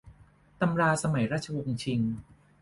ตำราสมัยราชวงศ์ชิง